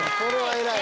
偉い！